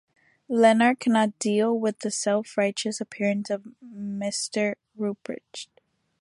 Lennart could not deal with the self-righteous appearance of Mister Ruprecht.